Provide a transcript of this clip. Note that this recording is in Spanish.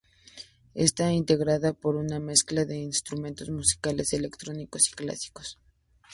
Está integrada por una mezcla de instrumentos musicales electrónicos y clásicos.